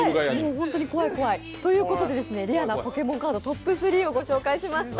本当に怖い怖い。ということでレアなポケモンカードトップ３をご紹介しました。